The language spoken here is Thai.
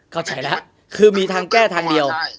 เข้าใจแล้วคือมีทางแก้ทางเดียว